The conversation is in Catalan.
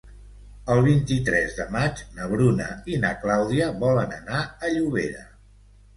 El vint-i-tres de maig na Bruna i na Clàudia volen anar a Llobera.